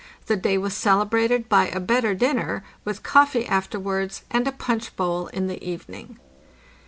The day was celebrated by a better dinner, with coffee afterwards and a punch bowl in the evening.